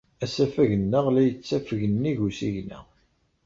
Asafag-nneɣ la yettafeg nnig usigna.